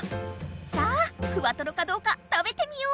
さぁフワトロかどうか食べてみよう！